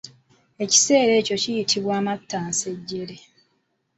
Ekiseera ekyo kiyitibwa amattansejjere.